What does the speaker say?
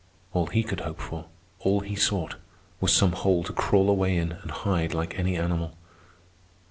All he could hope for, all he sought, was some hole to crawl away in and hide like any animal.